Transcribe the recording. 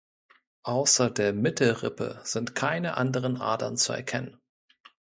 Außer der Mittelrippe sind keine anderen Adern zu erkennen.